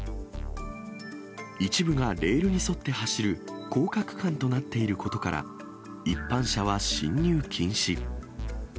一部がレールに沿って走る高架区間となっていることから、一般車は進入禁止。